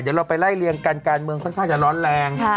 เดี๋ยวเราไปไล่เรียงกันการเมืองค่อนข้างจะร้อนแรง